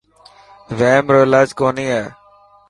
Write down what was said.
وحم رو علاج ڪونه هي.